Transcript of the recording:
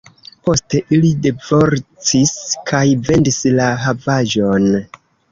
Poste ili divorcis kaj vendis la havaĵon.